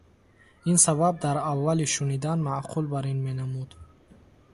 Ин сабаб дар аввали шунидан маъқул барин менамуд.